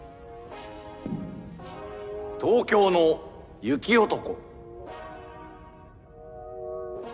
東京の雪男。